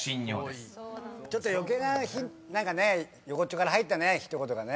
ちょっと余計な横っちょから入ったね一言がね。